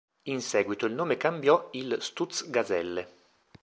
In seguito il nome cambiò il Stutz Gazelle.